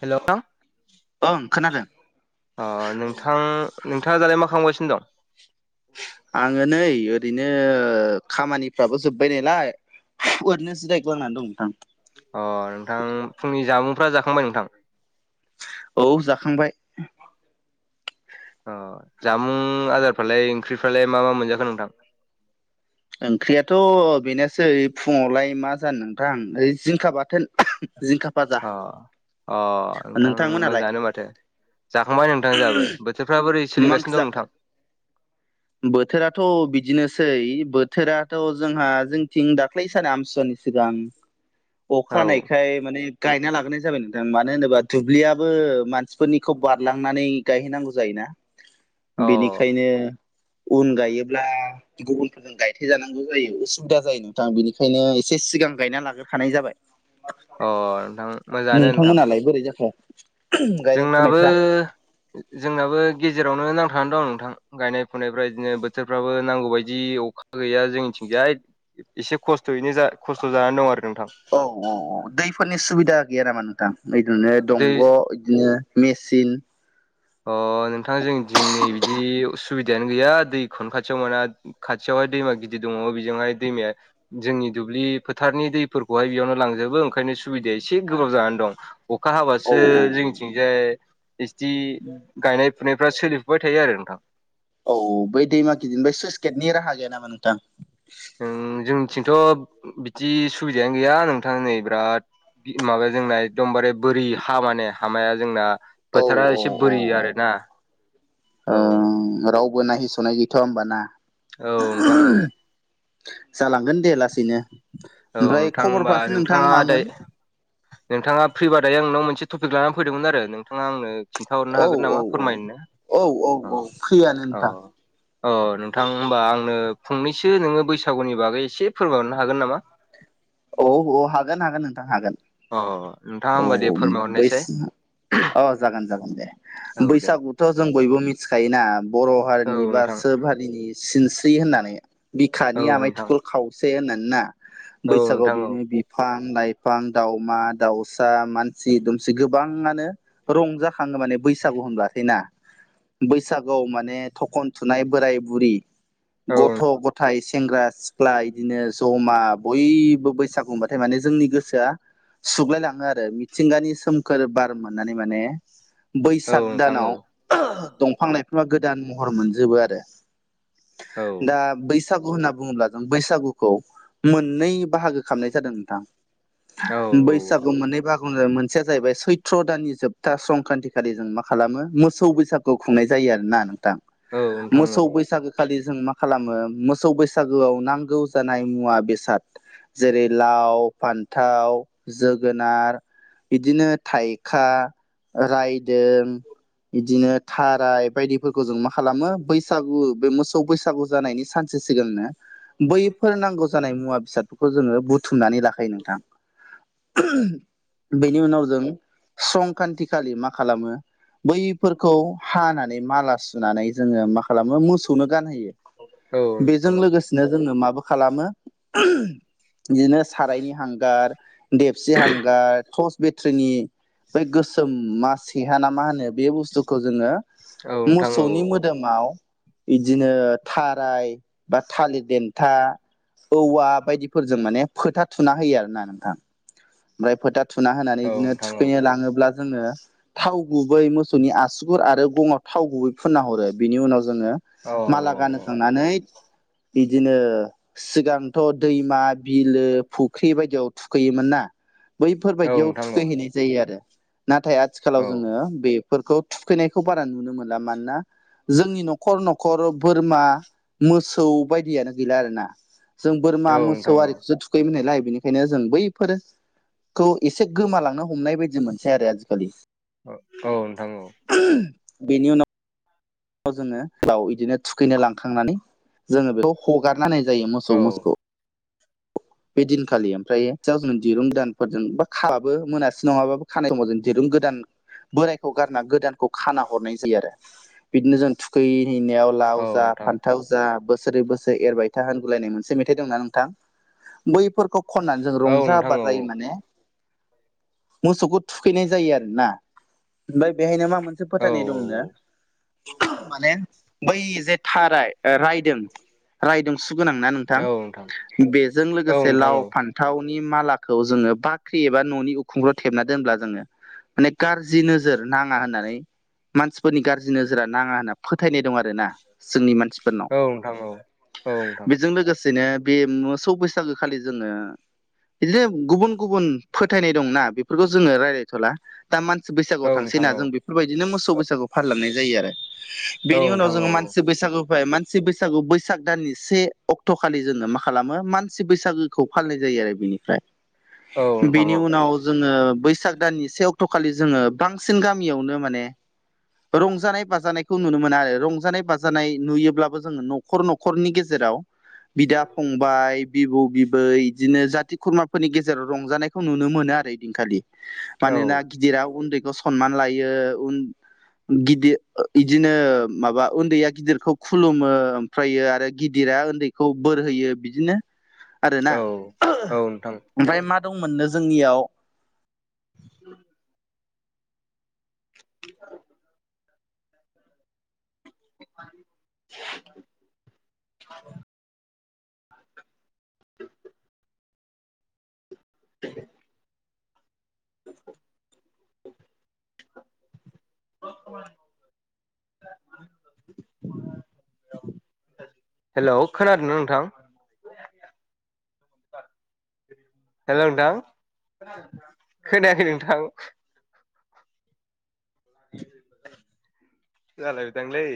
हेल' थां ओं खोनादों अ नोंथां नोंथाङा दालाय मा खालामगासिनो दं आङो नै ओरैनो खामानिफ्राबो जोबबाय नालाय ओरैनो जिरायग्लांनानै दं नोंथां अ नोंथां फुंनि जामुंफ्रा जाखांबाय नोंथां औ जाखांबाय अ जामुं आदारफ्रालाय ओंख्रिफ्रालाय मा मा मोनजाखो नोंथां ओंख्रियाथ' बेनोसै फुङावलाय मा जानो नोंथां ओइ जिंखा बाथोन जिंखा फाजा अ अ नोंथां नोंथांमोनालाय मोजाङानो माथो जाखांबाय नोंथां जाहाबो बोथोरफ्रा बोरै मा ओंख्रि सोलिगासिनो दं जाखो नोंथां बोथोराथ' बिदिनोसै बो बोथोराथ' जोंहा जोंथिं दाख्लै साना आमथि सुवानि सिगां अखा औ हानायखाय माने गायना लाग्रोनाय जाबाय नोंथां मानो होनोबा दुब्लियाबो मानसिफोरनिखौ बारलांनानै गायहैनांगौ जायोना [inaudible] बेनिखायनो उन गायोब्ला गुबुनफोरजों गाय थे जानांगौ जायो उसुबिदा जायो नोंथां बेनिखायनो एसे सिगां गायना लाग्रोखानाय जाबाय अ नोंथां मोजाङानो नोंथां नोंथांमोनालाय बोरै जाखो गायनाय जोंनाबो फुनायफ्रा जोंनाबो गेजेरावनो नांथानानै दं नोंथां गायनाय फुनायफ्रा इदिनो बोथोरफ्राबो नांगौ बायदि अखा गैया जोंनिथिंजाय एसे खस्थ'यैनो जा खस्थ' जानानै दं आरो नोंथां औ औ औ दैफोरनि सुबिदा गैया नामा नोंथां ओरैनो दै दंग' इदिनो मेसिन अ नोंथां जोंनिथिं नै बिदि सुबिदायानो गैया दैखौनो खाथियाव मोना खाथियावहाय दैमा गिदिर दङ बेजोंहाय दैमाया जोंनि दुब्लि फोथारनि दैफोरखौहाय बेयावनो लांजोबो ओंखायनो सुबिदाया एसे गोब्राब जानानै दं अखा औ हाबासो औ जोंनिथिंजाय बिसथि गायनाय फुनायफ्रा सोलिफुबाय थायो आरो नोंथां औ बै दैमा गिदिरनिफाय सुइस गेटनि राहा गैया नामा नोंथां ओम जोंनिथिंथ' बिदि सुबिदायानो गैया नोंथां नै बिराद माबाया जोंना एखदमबारे बोरि हा माने हामाया जोंना औ बोथारा औ एसे औ बोरि ओ आरोना औ नाय होसनायय गैथआ होमबा ना? औ नोंथां औ जालांगोन दे लासैनो औ ओमफ्राय नोंथां होमबा खबरफ्रासो नोंथां नोंथाङा दाय मामोन नोंथाङा फ्रिबा दायो आंनाव मोनसे टपिक लानानै फैदोंमोन आरो नोंथाङा आंनो खिन्थााहरनो औ हागोन औ नामा औ फोरमायनो औ औ फ्रियानो औ नोंथां अ नोंथां होमबा आंनो फंनैसो नोङो बैसागुनि बागै एसे फोरमायनो हागोन नामा औ औ हागोन हागोन नोंथां हागोन अ नोंथाङा औ होमबा दे बै फोरमायहरनायसाय सि अ जागोन जागोन दे औ दे बैसागुथ' जों बयबो मिथिखायोना बर' बार औ नि बा नोंथां सोबहारिनि सिनस्रि होननानै औ बिखानि आमाय नोंथां थुखल खावसे होननानै ना औ बैसागआव नोंथां औ बिन्निबि फां लाइफां दाावमा दाउसा मानसि दुमसि गोबांङानो रंजाखांङो माने बैसागु होनबाथाय ना? बैसागु माने थखन थुनाय बोराय बुरि औ गथ'-गथाइ, सेंग्रा-सिख्ला इदिनो ज'मा बयबो बैसागु होनबाथाय माने जोंनि गोसोआ सुग्लाय लाङो आरो मिथिंगानि सोमखोर बार मोननानै माने औ बैसाग नोंथां औ दानाव दंफां लाइफां गोदान महर मोनजोबो आरो। औ दा बैसागु होनना बुंङोब्ला जों बैसागुखौ मोननै बाहागो खालामनाय जादों नोंथां औ बैसागु मोननै बाहा बुंङो मोनसेया जाहैबाय सैथ्र' दाननि जोबथा संक्रान्त खालि जों मा खालामो मोसौ बैसागु खौ खुंनाय जायो आरोना नोंथां। औ नोंथां मोसौ औ बैसागो खालि जों मा खालामो मोसौ बैसागोआव नांगौ जानाय मुवा बेस साद जेरै लाव फान्थाव जोगोनार बिदिनो थाइखा, रायदों बिदिनो थाराय बायदिफोरखौ जों मा खालामो बैसागु बे मोसौ बैसागु जानायनि सान सो सिगांनो बैफोर नांगौ जानाय मुवा बेसादफोरखौ जोंङो बुथुमनानै लाखायो नोंथां। बेनि उनाव जों संक्रान्ति खालि मा खालामो बैफोरखौ हानानै माला सुनानै जोंङो मा खालामो मोसौनो गानहोयो। औ बेजों नोंथां औ लोगोसेनो जोंङो माबो खालामो। बिदिनो सारायनि हांगार देबसि हांगार टर्च बेट्रिनि बै गोसोम मासेहा ना मा होनो बे बुस्थुखौ जोंङो औ नोंथां औ मोसौनि मोदोम ङाव इदिनो थाराय बा थालिर देन्था औवा बायदिफोरजों माने फोथा थुना होयो आर ना नोंथां। ओमफ्राय फोथा थुना होनानै औ बिदिनो नोंथां औ थुखैनो लांङोब्ला जोंङो थाव गुबै मोसौनि आसुगुर आरो गंङाव थाव गुबै फुनना हरो बिनि उनाव जोंङो औ माला गानहोखांनै बिदिनो सिगांथ' दैमा बिलो फुख्रि बायदियाव थुखैयोमोन ना? औ बैफोरबायदियाव नोंथां औ थुखैहैनाय जायो आरो नाथाय आथिखालाव औ जोंङो बे फोरखौ थुखैनायखौ बारा नुनो मोनला मानोना जोंनि न'खर न'खर बोरमा मोसौ बायदियानो गैला आरोना जों बोरमा औ मोसौ नोंथां औ आरिखौसो थुखैमोन नायलाय बेनिखायनो जों बैफोर खौ एसे गोमालांनो हमनाय बायदि मोनसै आरो आजिखालि। औ नोंथां औ बे नि उनाव याव जोंङो लाव इदिनो थुखैनो लांखांनानै जोंङो बेखौ हगारना होननाय जायो औ मोसौ मोसौखौ बे दिनखालि ओमफ्राय जाव जों दिरुं दानफोरजों बा खाबाबो [unintelligible] [unintelligible] नंङाबाबो खानाय समाव जों दिरुं गोदान बोरायखौ गारना गोदानखौ खाना हरनाय जायो आरो। बिदिनो जों थुखैहैनायाव लाव औ जा नोंथां फान्थाव जा बोसोरै बोसोरै एरबाय था होनगुलायनाय मोन मेथाइ दंना नोंथां? बैफोरखौ खननानै जों औ रंजा नोंथां औ बाजायै माने मोसौखौ थुखैनाय जायो आरोना? ओमफ्राय बेहायनो मा मोनसे औ फोथायनाय दंनो माने बै जे थाराय रायदों रायदों सुगोनां ना नोंथां? औ बेजों औ लोगोस नोंथां औ फान्नथावनि मालाखौ जोंङो बाख्रि एबा न'नि उखुंफ्राव थेबना दोनब्ला जोंङो माने गाज्रि नोजोर नां या होननानै मानसिफोरनि गाज्रि नोजोरा नांङा होनना फोथायनाय दं आरोना जोंनि मानसि फोरनाव औ नोंथां औ औ बेजों लोगोसेनो बे मोसौ बै सागो खालि जोंङो इदिनो गुबुन गुबुन फोथायनाय दंना बेफोरखौ जोंङो रायज्लायथ'ला। दा मानसि बैसागुवाव थांसै नोंथां ना औ नोंथां औ जों बेफोरबायदिनो मोसौ बैसागु फालिलांनाय जायो आरो। औ बेनि उनाव नोंथां जोङो औ मानसि बैसागु फैबाय मान सि बैसागु बैसाग दाननि से अक्ट'खालि जोङो मा खालामो मान सि बैसागोखौ फालिनाय जायो आरो बिनिफ्राय औ नोंथां बेनि औ उनाव जोंङो बैसाग दाननि से अक्ट'खालि जोंङो बांसिन गामियावनो माने रंजानाय बाजानायखौ नुनो मोनो आरो रंजानाय बाजानाय नुयोब्लाबो जोंङो न'खर-न'खरनि गेजेराव बिदा फंबाय बिबौ बिबै बिदिनो जाथि खुरमाफोरनि गेजेराव रंजानायखौ नुनो मोनो आरो इदिनखालि मानोना गिदिरा उन्दैखौ सनमान लायो उन गिदिर इदिनो माबा उन्दैया गिदिरखौ खुलुमो आम फ्रायो आरो गिदिरा ओन्दैखौ बोर होयो बिदिनो आरो ना औ औ नोंथां ओमफ्राय मा दंमोन नो जोंनियाव [inaudible] [inaudible] [inaudible] [inaudible] [inaudible] [inaudible] [inaudible] हेलौ खोनादोंना नोंथां हेलौ नोंथां खोनायाखै नोंथां जालायबायदांलै